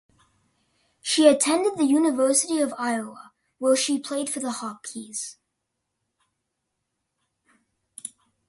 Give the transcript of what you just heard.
She attended the University of Iowa, where she played for the Hawkeyes.